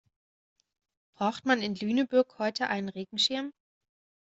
Braucht man in Lüneburg heute einen Regenschirm?